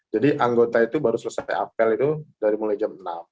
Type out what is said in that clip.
jadi anggota itu baru selesai apel itu dari mulai jam enam